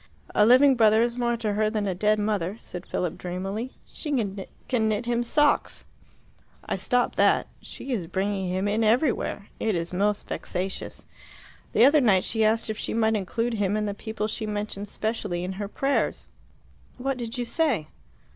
"A living brother is more to her than a dead mother," said Philip dreamily. "She can knit him socks." "I stopped that. She is bringing him in everywhere. It is most vexatious. The other night she asked if she might include him in the people she mentions specially in her prayers." "What did you say?"